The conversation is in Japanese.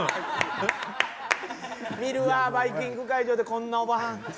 見るわバイキング会場でこんなオバハン。